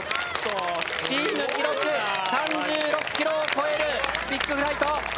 チーム記録３６ｋｍを超えるビッグフライト。